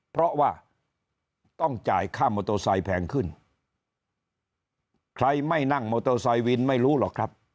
เพราะว่าต้องจ่ายค่าโมโตไซด์แพงขึ้นใครไม่นั่งโมโตไซด์วินไม่รู้หรอกครับ